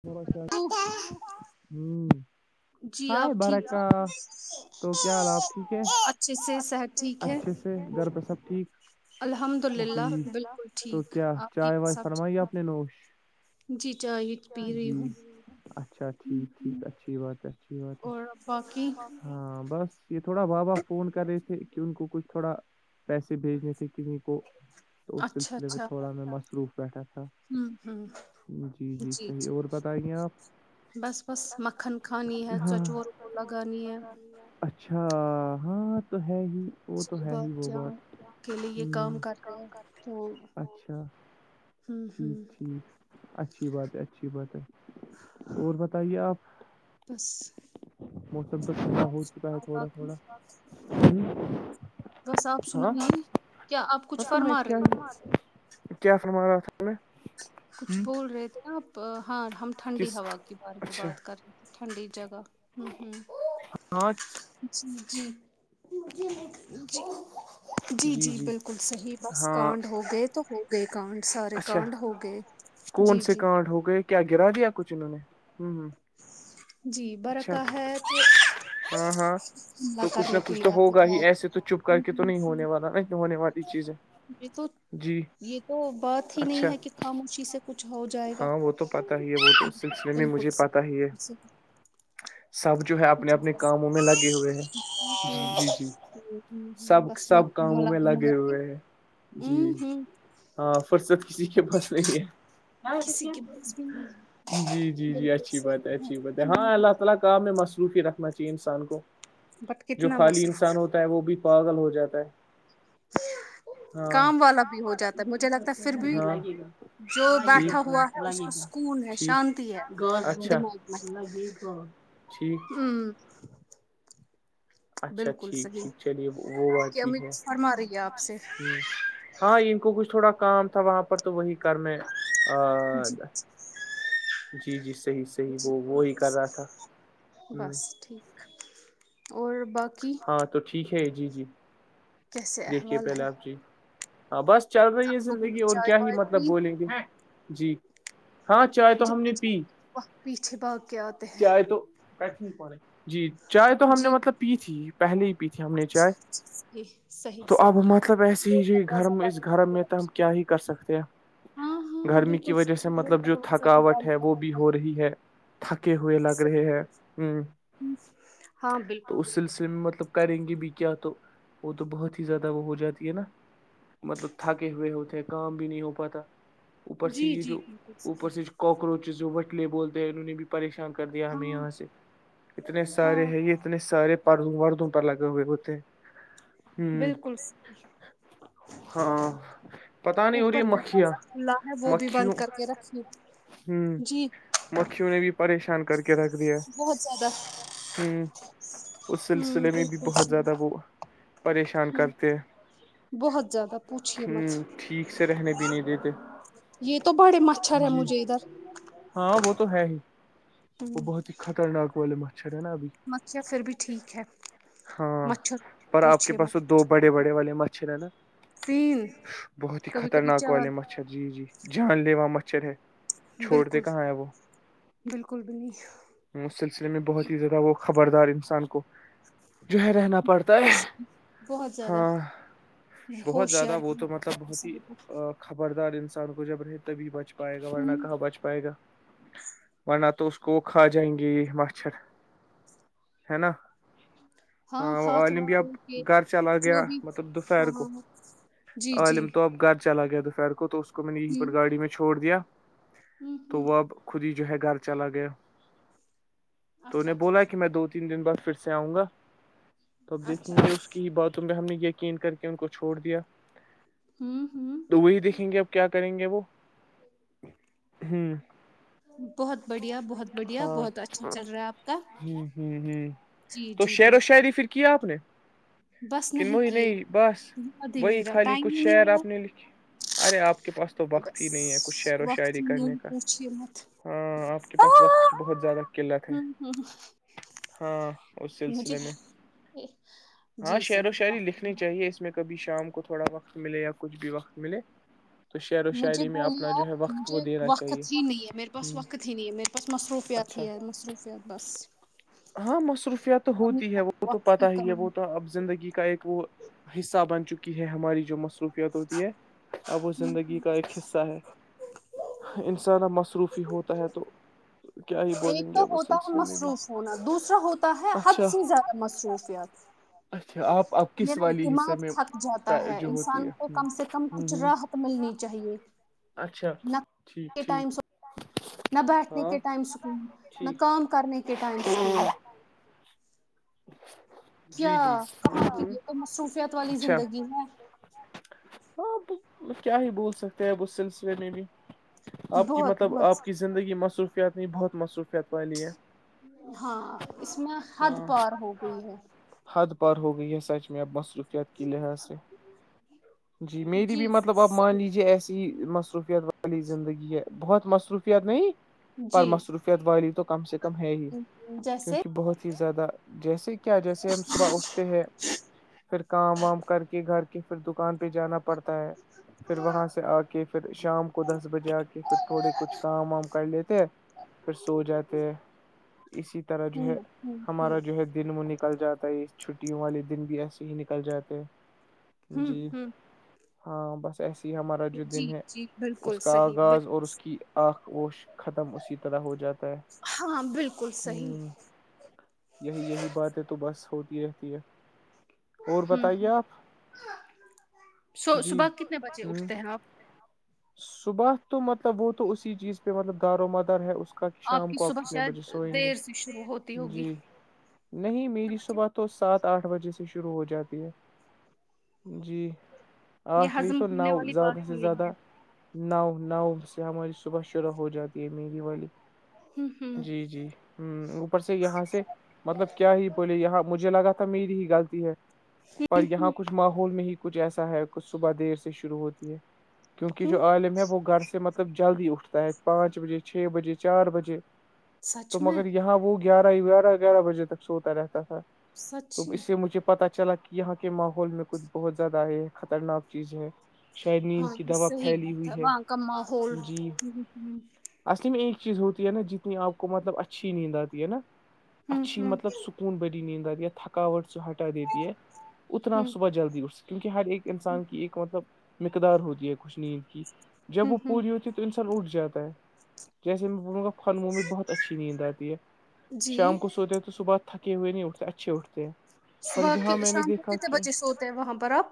تھڑا س ہوں [unintelligible] جی آپ ہائے ٹھیک ہیں برکا تو کیا حال آپ ٹھیک اچھے سے سح ہے اچھے سے گھر پہ سب ٹھیک الحمد للہ جی بالکل تو ٹھیک کیا آپ کی چائے وائے سب فرمائیے ٹھیک اپ نے نوش جی چائے پی رہی جی ہوں اچھا ٹھیک ٹھیک اچھی بات ہے بات ہے اور باقی ہاں بس یہ تھوڑا بابا فون کر رہے تھے کہ ان کو کچھ تھوڑا پیسے بھیجنے تھے کسی کو تو اس اچھا سلسلے میں اچھا تھوڑا میں مصروف بیٹھا تھا ہوں ہوں جی صحیح جی اور بتائیے آپ بس بس مکھن کھانی ہے چچور کو لگانی ہے اچھا ہاں تو ہے ہی وہ تو ہے ہی بہت وہ بات جان کے لیے یہ کام کر ہ رہے ہیں تو اچھا ہوں ٹھیک ہوں ٹھیک اچھی بات ہے اچھی اچھی بات ہے اور بتائیے آپ بس موسم تو ٹھڈا آپ ہو چکا ہے تھوڑا باقی تھوڑا صاف ہاں سنائیے دی کیا آپ ہاں کچھ تو میں فرما کیا رہے تھے کیا فرما رہا تھا کچھ میں بول رہے تھے آپ ہاں ہم ٹھنڈی کس ہوا کی بارے میں اچھا بات کر رہ ٹھنڈی جگہ ہ ہوں ہاں جی جی جی جی بالکل صحیح بس ہاں کانڈ ہو گئے تو ہو گئے کانڈ سارے اچھا کانڈ ہو گئے کون جی سے جی کانٹ ہو گئے کیا گرا دیا کچھ انہوں نے ہوں ہوں جی برقا ہے تو ہاں ہاں حملہ تو کچھ کرنے نہ کے کچھ لیے تو آتی ہوگا ہے ہی ایسے تو چپ کر کے تو نہیں ہونے والا نہیں ہونے والی چیزیں یہ تو جی یہ تو بات ہی نہیں اچھا ہے کہ خاموشی سے کچھ ہو جائے گا ہاں وہ تو پتا ہی ہے وہ تو اس سلسلے میں مجھے پتا ہی ہے سب جو ہے اپنے اپنے کاموں میں لگے ہوئے ہیں جی جی جی سب بسمت سب [unintelligible] کاموں مل میں م لگے ہوئے ہیں جی ہ ہ ہاں فرصت کسی کے پاس نہیں ہے کسی کے پاس بھی نہیں جی جی جی بالکل اچھی صحیح بات ہے اچھی بات ہے ہمم ہاں اللہ تعالی کام میں مصروف ہی رکھنا چاہ ہیے انسان کو بٹ جو کتنا خالی انسان مصروف ہوتا ہے وہ بھی پاگل ہو جاتا ہے ہاں کام والا بھی ہو جاتا ہے مجھے لگتا ہے پھر بھی ہاں جو لگے بیٹھا گا ہوا ہے اس لگے کو گا سکون ہے شانتی ہے گاس دماغ میں ب لگے گا ٹھیک ہوں اچھا بالکل ٹھیک صحیح ٹھیک چلیے وہ آپ بات کی بھی امی ہے کچھ فرما رہی ہے آپ سے ہ ہاں ان کو کچ تھوڑا کام تھا وہاں پر تو وہی کرنے جی جی جی صحیح صحیح وہ وہی کر رہا تھا ہ بس ٹھیک اور باقی ہاں تو ٹھیک ہے جی جی کیسے دیکھیے احوال پہلے ہے آپ جی ہاں بس چل رہی ہے آپ لوگوں زندگی نے اور چائے کیا ہی وائے مطلب پی بولیں گے جی ہاں چائے تو ہم نے جہاں پی جانے وقت پیچھے بھاگ کے آتے ہیں چائے تو جی چائے تو ہم نے جی مطلب پی تھی پہلے ہی پی تھی ہم نے چائے جی صحیح تو اب صحیح مطلب ایسے وہ ہی جو گھر دروازہ اس بند کر گھر کے میں تو ہم رکھے کیا ہی کر سکتے ہیں ہاں ہاں گرمی کی بالکل وجہ سے صحیح، وہ مطلب جو دروازہ بھی تھکاوٹ بند ہے کر وہ بھی کے ہو رکھے، رہی ہے تھکے ہوئے لگ رہے صحیح، ہیں ہ ہاں تو بالکل اس سلسلے بالکل میں مطلب کریں گے بھی کیا تو وہ تو بہت ہی زیادہ وہ ہو جاتی ہے نا مطلب تھاکے ہوئے ہوتے ہیں کام بھی نہیں ہو پاتا اوپر سے جی یہ جی جو بالکل اوپر سے صحیح کاکروچز جو وٹے بولتے ہیں انہوں بھی پریشان کر دیا ہمیں ہاں یہاں سے اتنے ہاں سارے ہیں یہ اتنے سارے پردو وردوں پر لگے ہوئے ہوتے ہیں ہ بالکل ہاں پتا نہیں اور اوپر یہ مکھیا دروازہ کھلا ہے وہ بھی مکھ بند کر کے رکھیے ہوں جی مکھیوں نے بھی پریشان کر کے رکھ دیا بہت زیادہ ہ اس ہوں سلسلے میں بھی بالکل بہت صحیح زیادہ وہ پریشان ہوں کرتے ہیں بہت زیادہ پوچھیے ہ مت ٹھیک سے رہنے بھی نہیں دیتے یہ تو بڑے مچھر ہے جی مجھے ادھر ہاں وہ تو ہے ہی ہوں وہ بہت ہی خطرناک والے مچھر ہے نا ابھی مچھر پھر بھی ٹھیک ہے ہاں مچھر پر آپ پوچھ کے پاس تو دو بڑے بڑے والے مچھر ہیں نا تین بہت ہی کبھی کبھی خطرناک چار والے مچ ھر جی جی جان لیوا مچھر ہے چھوڑتے بالکل کہاں ہے وہ بالکل بھی نہیں اس سلسلے میں بہت ہی زیادہ وہ خبردار انسان کو جو ہے رہنا پڑتا ہے بہت زیادہ ہاں بہت زیادہ ہوشیار وہ ہونا تو مطلب پڑتا ہے بہت ہی انسان کو۔ خبردار انسان کو جب رہ تبھی بچ پائے گا ورنہ ہوں کہاں بچ پائے گا ورنہ تو اس کو کھا جائیں گے یہ مچھر ہے نا ہاں وہ ہاتھ عالم واتھ دھو یاپ کے گھر چلا جو گیا بھی مطلب دوپہر ہاں کو ہاں جی جی عالم تو اب گھر چلا گیا دوپہر کو تو اس کو میں نے یہیں پر ہوں گاڑی میں چھوڑ دیا ہوں تو ہوں وہ اب خود ہی جو ہے گھر چلا گیا تو اچھا انھے اچھا بولا کہ ٹھیک میں دو تین تین دن بعد پھر سے آؤں گا توب دیکھیں اچھا گے اچھا کی باتوں میں ہم نے یقین کر کے ان کو چھوڑ دیا ہوں ہوں تو وہی دیکھیں گے اب کیا کریں گے وہ ہ بہت بڑھیا بہت بڑھیا ہاں بہت اچھا چل رہا ہے آپ کا ہ ہ ہ جی تو جی بالکل شاعری پھر کیا آپ نے بس کن موحی کیے نہیں بس یاد ہی وہی نہیں رہا خالی ٹائم کچھ ہی شعر نہیں اپنے ملا لکھی ارے آپ کے پاس تو وقت ہی نہیں ہے کچھ بس شعر و وقت شاعری ہی کرنے نہیں کا پوچھیے مت ہاں آپ کے پاس وقت کی ہوں بہت زیادہ قلت ہے ہوں ہاں اس مجھے سلسلے میں ہاں جی شعر صحیح و شاعری جواب لکھنی چاہیے اس میں کبھی شام کو تھوڑا وقت ملے یا کچھ بھی وقت ملے تو شعر و مجھے شاعری میں اپنا بولیے جو ہے آپ وقت وہ مجھے دینا چاہیے وقت ہی نہیں ہے میرے ہ پاس وقت ہی نہیں ہے میرے پاس مصروفیات اچھا تھی ہے مصروفیت بس ہاں مصروفیات تو کمی ہوتی ہے وہ تو وقت پتہ کی ہی ہے وہ تو کمی اب زندگی کا ایک وہ حصہ بن چکی ہے ہماری جو مصروفیا ت ہوتی ہے اب اس زندگی کا ایک حصہ ہے انسان اب مصروفی ہوتا ہے تو کیا ہی ایک بولیں گے تو اب اس ہوتا ہے سلسلے میں بھی مصروف ہونا دوسرا ہوتا ہے حد اچھا سے زیادہ مصروفیات اچھا آپ آپ کس میرا والی حصے دماغ میں تھک جاتا ہے جو ہوتی انسان ہے کو کم سے کم ہ کچھ ہ راہ ملنی چاہیے اچھا نہ ٹھیک کے ٹھیک ٹائم سکون نہ بیٹھنے ہاں کے ٹائم سکون نہ ٹھیک کام کرنے کے ٹائم سکون [inaudible] کیا کہاں کی یہ مصروفیات والی اچھا زندگی ہے ہاں کیا ہی بول سکتے ہیں اب اس سلسلے میں بھی آپ کی بہت مطلب بہت آپ کی زندگی مصر و فیات نہیں بہت مصروفیات والی ہے ہاں اس میں حد ہاں پار ہو گئی ہے حد پار ہوگئی یہ سچ میں اب بس ت کی لحاظ سے جی میری بھی مطلب آپ مان لیجے ایسے جی مصروفیات والی زندگی ہے بہت مصروفیات نہیں پر جی مصروفیت والی تو کم سے کم ہے ہی جیسے کیونکہ بہت ہی زیادہ جیسے کیا جیسے ہم صبح اٹھتے ہیں پھر کام وام کر کے گھر کی پھر دکان پہ جانا پڑتا ہے پھر وہاں سے آ کے پھر شام کو دس بجے آ کے پھر تھوڑے کچھ کام وام کر لیتے ہیں پھر سو جاتے ہیں اسی طرح جو ہوں ہے ہوں ہوں ہمارا جو ہے دن وہ نکل جاتا ہے چھٹیوں والے دن بھی ایسے ہی نکل جاتے ہیں ہوں جی ہوں ہاں بس ایسے ہی ہمارا جو جی دن ہے جی بالکل اس کا صحیح آغاز بالکل اور اس کی آنکھ ووش ختم اسی طرح ہو جاتا ہے ہاں بالکل صیح ہ یہی یہی بات ہے تو بس ہوتی رہتی ہے اور ہوں بتائیے ہوں آپ جی صبح کتنے بجے ہ اٹھتے ہیں آپ صبح تو مطلب وہ تو اسی چیز پہ مطلب دار و مدار ہے اس کا شام کی کو آپ صبح کتنے بجے شاید سوئیں گے دیر سے شروع ہوتی ہوگی جی نہیں میری صبح تو سات آٹھ بجے سے شروع ہو جاتی ہے جی یہ آخھری ہضم تو نو ہونے والی زیادہ بات سے ہی نہیں زیادہ ہے نو نو سے ہماری صبح شرح ہو جاتی ہے میری والی ہوں ہوں جی جی ہمم ہ سے یہاں سے مطلب کیا ہی بولے یہاں مجھے لگا تھا میری ہی غلطی ہے پر یہاں کچھ ماحول میں ہی کچھ ایسا ہے کچھ صبح دیر سے شروع ہوتی ہے کیونکہ کیوں جو عالم ہے وہ گھر سے ب جلدی اٹھتا ہے پانچ بجے چھ بجے چار بجے سچ تو میں مگر یہاں وہ گیارہ ہی گیارہ گیارہ بجے تک سوتا رہتا تھا تو سچی اس سے مجھے پتا چلا کہ یہاں کے ماحول میں کچھ بہت زیادہ آئے خطرناک چیز ہے شائریین ہاں یہ صحیح بات وہاں کا ماحول اصلی میں ایک چیز ہوتی ہے نا جتنی آپ کو مطلب اچھی نیند آتی ہے نا ہوں اچھی ہوں مطلب سکون بھری نیند ارہی تھکاٹ ہٹ دیتی ہے اتنا آپ ہوں صبح جلدی اٹھ سکے کیونکہ ہر ایک انسان کی ایک مطلب مقدار ہوتی کچھ نیند کی جب ہوں وہ ہوں پوری ہوتی ہے تو انسان اٹھ جاتا ہے جیسے میں بولوں گا [unintelligible] میں بہت اچھی نیند آتی ہے جی شام کو سوتے ہیں تو صبح تھکے ہوئے نہیں اٹھتے اچھے اٹھتے ہیں پر صبح کے یہاں میں نے شام کو دیکھا کتنے کہ بچے سوتے ہیں وہاں پر آپ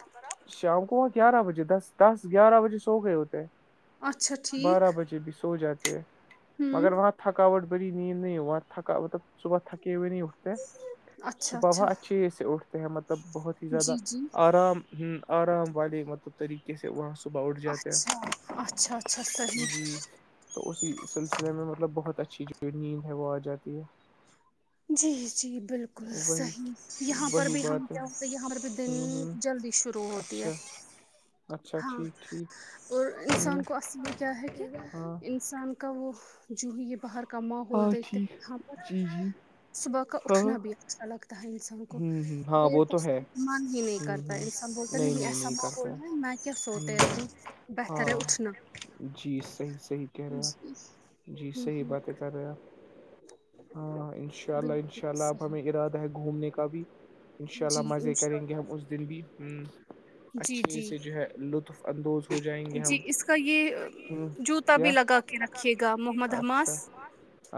شام کو وہاں گیارہ بجے دس دس گیارہ بجے سو گئے ہوتے اچھا ہیں ٹھیک بارہ بجے بھی سو جاتے ہیں ہوں مگر وہاں تھکاوٹ بھری نیند نہیں ہوا تھکاٹ صبح تھکی ہوئی نہیں اچھا صبح وہاں اچھا اچھے سے اٹھتے ہیں مطلب بہت ہی جی زیادہ جی آرام ہمم آرام والے مطلب طریقے سے وہاں صبح اٹھ جاتے اچھا ہیں اچھا اچھا صحیح جی تو اسی سلسلے میں مطلب بہت اچھی جو ہے نیند ہے وہ آ جاتی ہے جی جی بالکل وہی صحیح یہاں پر وہی بھی ہم بات ہے کیا ہوتے یہاں پر بھی دن ہوں ہوں جلدی شروع ہوتی ہے اچھا اچھا ہاں ٹھیک ٹھیک اور ہوں انسان کو اصل میں کیا ہے کہ ہاں انسان کا وہ جو ہے یہ باہر کا ماحول ہاں دیکھتے ٹھیک وہاں پر جی جی صبح کا ہاں اٹھنا بھی اچھا لگتا ہے انسان کو ہ ہ ہاں دیر وہ تک تو ہے من ہی نہیں ہ کرتا ہ انسان بولتا نہیں ایسا بول رہ ہے میں کیا سوتے ہے بہتر ہے اٹھنا جی صحیح صحیح کہہ رہے جی آپ جی ہوں صحیح ہوں باتیں کر رہے آپ ہاں انشاء اللہ انشاء بالکل اللہ اپ صحیح ہمیں ارادہ ہے گھومنے کا بھی انشاء اللہ جی مزے انشاء کریں گے اللہ ہم اس دن بھی ہمم جی اچھے جی سے جو ہے لطف اندوز ہو جائیں گے جی ہم اس کا یہ ہ جوتا بھی کیا لگا کے رکھیے گا محمد حماس اچھا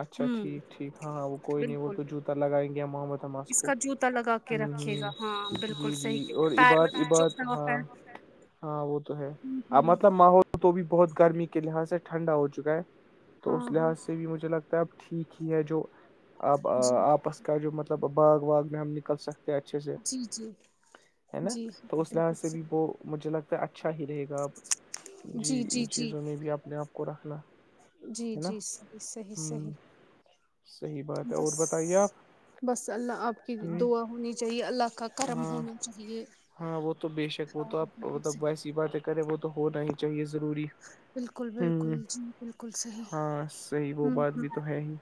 اچھا ہوں ٹھیک ٹھیک ہاں کوئی نہیں وہ بالکل تو جوتا لگائیں گے محمد حماس اس کو کا جوتا لگا ہ کے ہ رکھیے گا ہاں جی بالکل جی صحیح اور کیونکہ پیر عباد میں کچھ عباد چبھتا ہوا ہاں پیر ہاں وہ تو ہے ہوں اب ہوں مطلب ماحول تو بھی بہت گرمی کے لحاظ سے ٹھنڈا ہو چکا ہے تو اس ہاں ہاں لحاظ سے بھی مجھے لگتا ہے تب ٹھیک ہی ہے جو اب جی آپس کا جو مطلب باغ واغ میں ہم نکل سکتے اچھے سے جی جی ہے نا جی تو ہاں اس لحاظ بالکل سے صحیح بھی وہ مجھے لگتا ہے اچھا ہی رہے گا اب جی ان چیزوں میں بھی اپنے آپ کو رکھنا جی ہے نا جی صحیح صحیح ہ صحیح صحیح بات ہے اور بتائیے آپ بس بس اللہ آپ کی ہ دعا ہونی چاہیے اللہ کا کرم ہاں ہونا چاہیے ہاں وہ تو بے شک وہ ہاں تو آپ بالکل مطلب صحیح، ویسی باتیں کریں وہ تو ہونا ہی چاہیے ضروری بالکل ہوں بالکل جی بالکل صحیح ہاں صحیح وہ ہوں بات ہوں بھی تو ہے ہی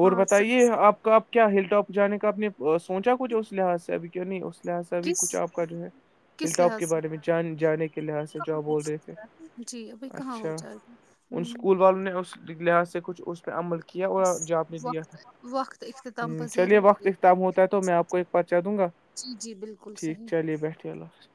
اور ہاں صحیح بتائیے صحیح آپ کا آپ کیا ہل ٹاپ جانے کا اپنے سوچا کچھ اس لحاظ سے ابھی کیوں نہیں اس لحاظ سے ابھی کس کچھ آپ کا جو ہے ہل کس ٹاپ لحاظ کے سے بارے میں جان جانے کے لحاظ سے جو کہاں آپ ہو بول رہے تھے سکتا ہے جی ابھی کہاں ہو اچھا جائے گا ان ہوں اسکول والوں نے اس لحاظ سے کچھ اس پہ عمل کیا اور بس جپ نے دیا تھا وقت وقت اختتام ہ پذیر چلیے ہو وقت گیا اختام ہوتا ہے تو میں آپ کو ایک پچہ دوں گا جی جی بالکل ٹھیک صحیح چلیے بیٹھیے اللہ حا